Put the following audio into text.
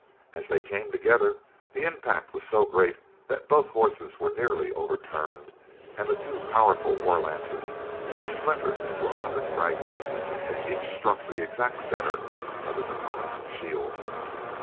As they came together the impact was so great that both horses were nearly overturned and the two powerful war lances were splintered into a hundred fragments as each struck the exact center of his opponent's shield.